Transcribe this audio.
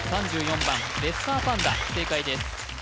３４番レッサーパンダ正解です